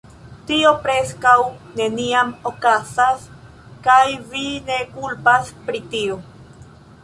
"Tio preskaŭ neniam okazas, kaj vi ne kulpas pri tio."